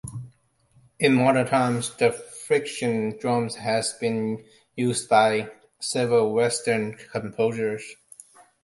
In modern times the friction drum has been used by several Western composers.